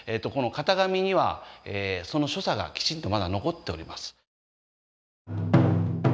この潟上にはその所作がきちんとまだ残っております。